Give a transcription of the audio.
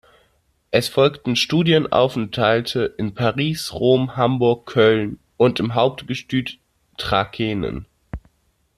Es folgten Studienaufenthalte in Paris, Rom, Hamburg, Köln und im Hauptgestüt Trakehnen.